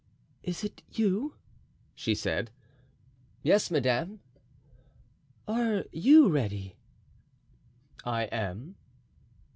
"Is it you?" she said. "Yes, madame." "Are you ready?" "I am."